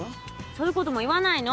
そういうことも言わないの。